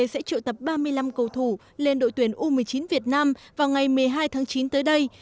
sẽ triệu tập ba mươi năm cầu thủ lên đội tuyển u một mươi chín việt nam vào ngày một mươi hai tháng chín tới đây